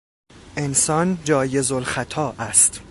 انسان جایز الخطا است.